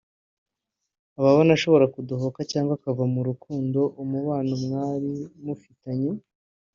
aba abona ushobora kudohoka cyangwa kuva mu rukundo/umubano mwari mufitanye